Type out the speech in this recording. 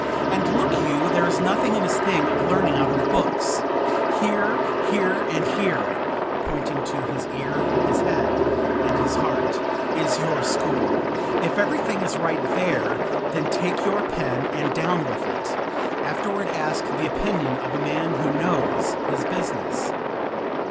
And, look you, there is nothing in this thing of learning out of books. Here, here and here (pointing to his ear, his head and his heart) is your school. If everything is right there, then take your pen and down with it; afterward ask the opinion of a man who knows his business."